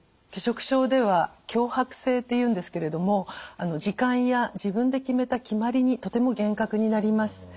拒食症では強迫性っていうんですけれども時間や自分で決めた決まりにとても厳格になります。